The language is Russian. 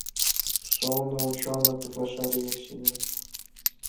Жены ученых приглашали ее к себе.